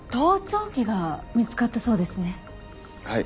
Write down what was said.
はい。